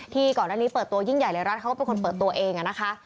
ก่อนหน้านี้เปิดตัวยิ่งใหญ่เลยรัฐเขาก็เป็นคนเปิดตัวเองนะคะ